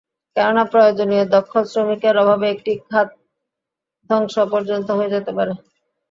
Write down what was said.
কেননা, প্রয়োজনীয় দক্ষ শ্রমিকের অভাবে একটি খাত ধ্বংস পর্যন্ত হয়ে যেতে পারে।